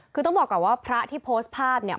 คือต้องบอกก่อนว่าพระที่โพสต์ภาพเนี่ย